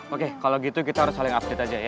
oke kalau gitu kita harus saling update aja ya